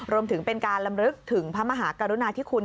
รวมถึงเป็นการลำลึกถึงพระมหากรุณาธิคุณ